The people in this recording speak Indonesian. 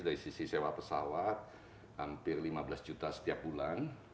dari sisi sewa pesawat hampir lima belas juta setiap bulan